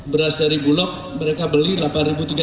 beras dari bulog mereka beli rp delapan tiga ratus